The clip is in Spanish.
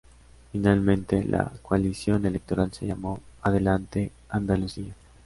Finalmente la coalición electoral se llamó Adelante Andalucía.